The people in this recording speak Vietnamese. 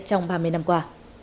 trong ba mươi năm qua